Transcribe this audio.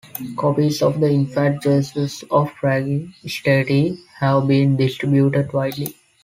Copies of the Infant Jesus of Prague statue have been distributed widely.